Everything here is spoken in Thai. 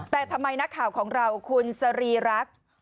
แต่ทำไมนักข่าวของเราคุณสรีรักษ์